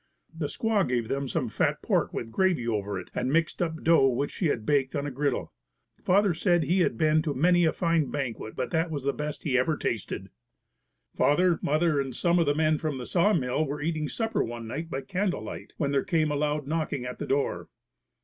The squaw gave them some fat pork with gravy over it and mixed up dough which she baked on a griddle. Father said he had been to many a fine banquet but that was the best he ever had tasted. Father, mother and some of the men from the sawmill were eating supper one night by candle light, when there came a loud knocking at the door.